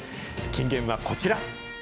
金言はこちら。